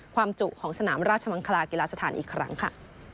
จุของสนามราชมังคลากีฬาสถานอีกครั้งค่ะ